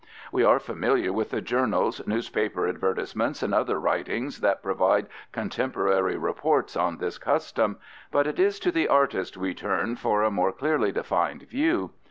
We are familiar with the journals, newspaper advertisements, and other writings that provide contemporary reports on this custom, but it is to the artist we turn for a more clearly defined view.